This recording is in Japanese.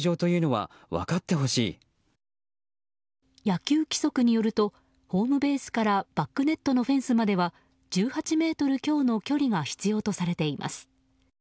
野球規則によるとホームベースからバックネットのフェンスまでは１８ｍ強の距離が必要とされています。